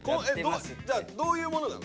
じゃあどういうものなの？